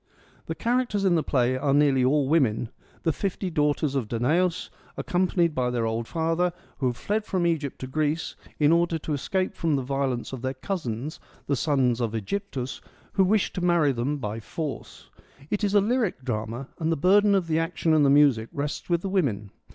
The characters in the play are nearly all women, the fifty daughters of Danaus, accompanied by their old father, who have fled from Egypt to Greece in AESCHYLUS AND SOPHOCLES 73 order to escape from the violence of their cousins, the sons of ^Egyptus, who wish to marry them by force. It is a lyric drama, and the burden of the action and the music rests with the women.